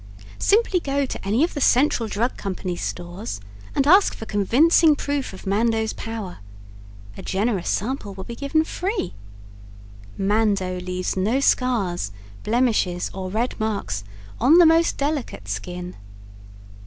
Simply go to any of the Central Drug Co.'s stores and ask for convincing proof of Mando's power. A generous sample will be given free. Mando leaves no scars, blemishes or red marks on the most delicate skin.